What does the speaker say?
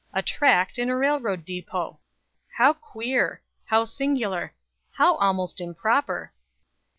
A tract in a railroad depot! How queer! how singular! how almost improper!